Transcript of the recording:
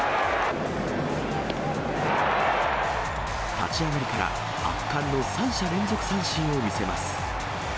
立ち上がりから、圧巻の３者連続三振を見せます。